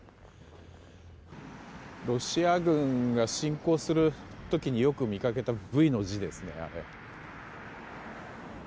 ロシア軍が侵攻する時によく見かけたＶの字ですね。